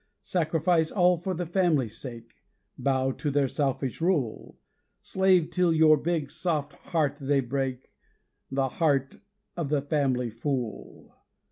Sacrifice all for the family's sake, Bow to their selfish rule! Slave till your big soft heart they break The heart of the family fool.